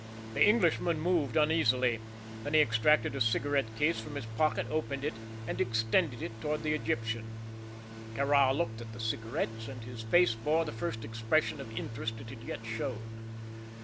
The Englishman moved uneasily. Then he extracted a cigarette case from his pocket, opened it, and extended it toward the Egyptian. Kāra looked at the cigarettes and his face bore the first expression of interest it had yet shown.